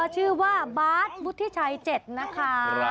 ชื่อว่าบาสบุธิชัยเจ็ดนะคะ